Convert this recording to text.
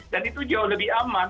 dan itu jauh lebih aman